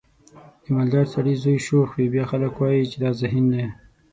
د مالدار سړي زوی شوخ وي بیا خلک وایي چې دا ذهین دی.